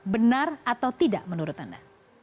benar atau tidak menurut anda